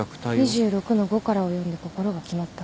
２６−５を読んで心が決まった。